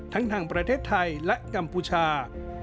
ทั้งทางประเทศไทยและกัมพูชา